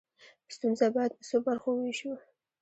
ستونزه باید په څو برخو وویشو.